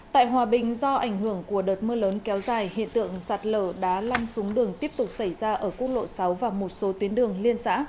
tại hòa bình do ảnh hưởng của đợt mưa lớn kéo dài hiện tượng sạt lở đã lăn xuống đường tiếp tục xảy ra ở quốc lộ sáu và một số tuyến đường liên xã